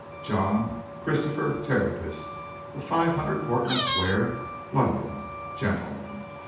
"'JOHN CHRISTOPHER TERTIUS, of 500, Portman Square, London: Gentleman.